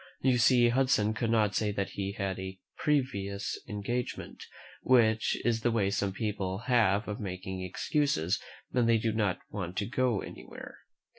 You see, Hudson could not say that he had a "pre vious engagement," which is the way some people have of making excuses when they do not want to go anywhere.